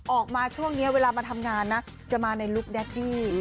ออกมาช่วงนี้เวลามาทำงานนะจะมาในลุคแดดดี้